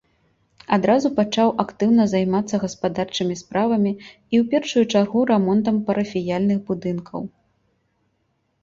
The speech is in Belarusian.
Адразу пачаў актыўна займацца гаспадарчымі справамі і ў першую чаргу рамонтам парафіяльных будынкаў.